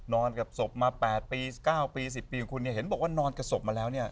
นอนกับศพมา๘ปี๙ปี๑๐ปีของคุณเนี่ยเห็นบอกว่านอนกับศพมาแล้วเนี่ย